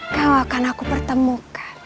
kau akan aku pertemukan